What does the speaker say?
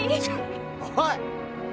おい！